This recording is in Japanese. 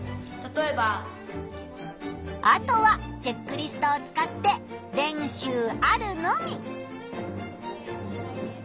あとはチェックリストを使って練習あるのみ！